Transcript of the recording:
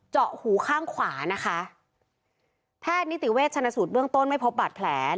หูข้างขวานะคะแพทย์นิติเวชชนสูตรเบื้องต้นไม่พบบาดแผล